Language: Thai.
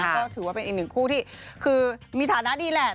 ก็ถือว่าเป็นอีกหนึ่งคู่ที่คือมีฐานะดีแหละ